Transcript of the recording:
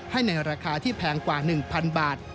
ให้ในราคาที่แพงกว่า๑๐๐๐บาท